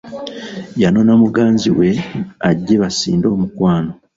Yanona muganzi we ajje basinde omukwano.